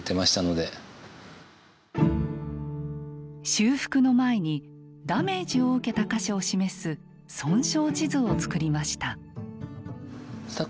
修復の前にダメージを受けた箇所を示す「損傷地図」を作りました。